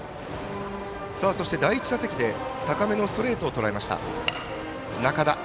第１打席で高めのストレートをとらえました。